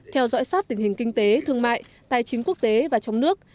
theo dõi sát tình hình kinh tế thương mại tài chính quốc tế và trong nước